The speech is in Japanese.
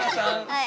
はい。